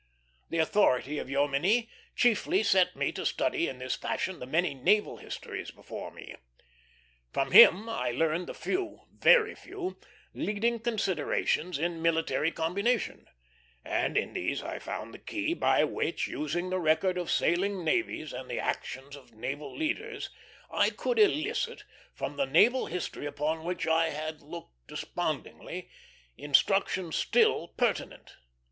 The authority of Jomini chiefly set me to study in this fashion the many naval histories before me. From him I learned the few, very few, leading considerations in military combination; and in these I found the key by which, using the record of sailing navies and the actions of naval leaders, I could elicit, from the naval history upon which I had looked despondingly, instruction still pertinent.